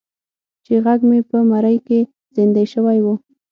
چې غږ مې په مرۍ کې زیندۍ شوی و.